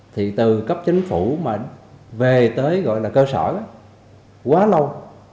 thì từ cấp chính phủ mà về tới gọi là cơ sở quá lâu